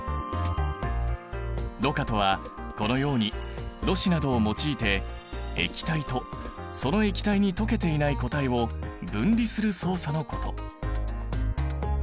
ろ過とはこのようにろ紙などを用いて液体とその液体に溶けていない固体を分離する操作のこと。